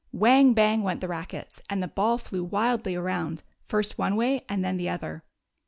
Whang, bang went the rackets, and the ball flew wildly around, first one way and then the other.